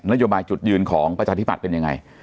โยบายจุดยืนของประชาธิบัตย์เป็นยังไง